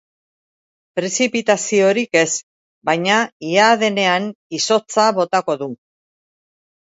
Prezipitaziorik ez, baina ia denean izotza botako du.